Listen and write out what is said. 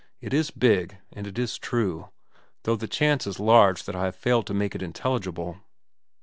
It is big, and it is true, though the chance is large that I have failed to make it intelligible."